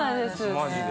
マジで。